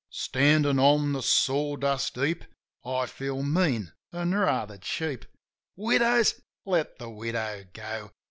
Standin' on the sawdust heap I feel mean an' rather cheap. Widows ? Let the widow go